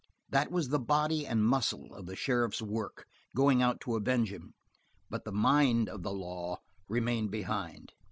That was the body and muscle of the sheriff's work going out to avenge him, but the mind of the law remained behind.